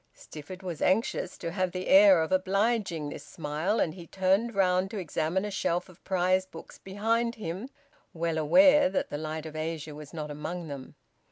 Stifford was anxious to have the air of obliging this smile, and he turned round to examine a shelf of prize books behind him, well aware that "The Light of Asia" was not among them.